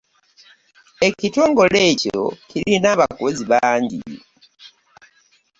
Ekitongole ekyo kirina abakozi bangi.